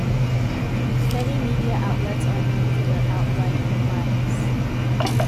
Many media outlets are known for their outright bias.